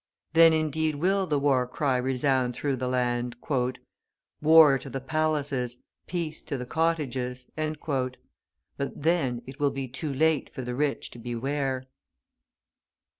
Then, indeed, will the war cry resound through the land: "War to the palaces, peace to the cottages!" but then it will be too late for the rich to beware.